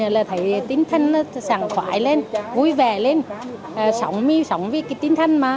là thấy tinh thần sẵn khoái lên vui vẻ lên sống vì tinh thần mà